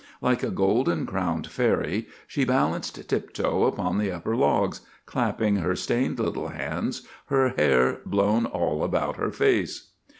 Like a golden crowned fairy, she balanced tiptoe upon the upper logs, clapping her stained little hands, her hair blown all about her face.